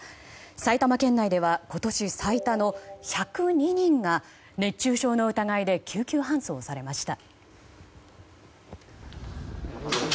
埼玉県内では今年最多の１０２人が熱中症の疑いで救急搬送されました。